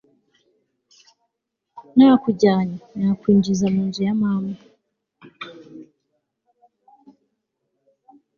nakujyanye, nkakwinjiza mu nzu ya mama